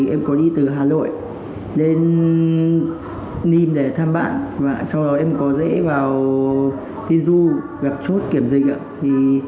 em có đi từ hà nội đến ninh để thăm bạn sau đó em có dễ vào tiên du gặp chốt kiểm dịch